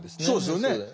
そうですよね。